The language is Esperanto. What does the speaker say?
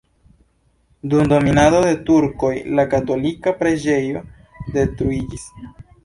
Dum dominado de turkoj la katolika preĝejo detruiĝis.